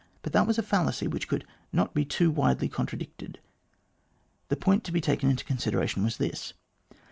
But that was a fallacy which could not be too widely contradicted. The point to be taken into consideration was this.